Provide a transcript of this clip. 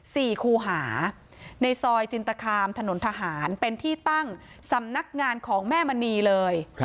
ครูหาในซอยจินตคามถนนทหารเป็นที่ตั้งสำนักงานของแม่มณีเลย